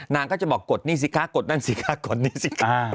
นางก็จะบอกกดนี่สิคะกดนั่นสิคะกดหนี้สิ